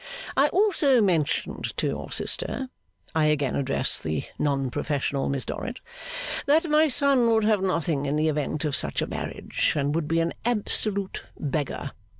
I also mentioned to your sister I again address the non professional Miss Dorrit that my son would have nothing in the event of such a marriage, and would be an absolute beggar.